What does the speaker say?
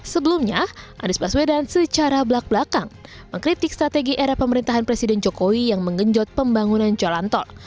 sebelumnya anies baswedan secara belak belakan mengkritik strategi era pemerintahan presiden jokowi yang mengenjot pembangunan jalan tol